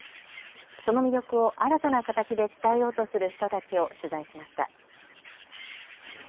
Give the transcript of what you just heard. その魅力を新たな形で伝えようとする人たちを取材しました。